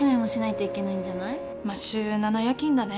まあ週７夜勤だね。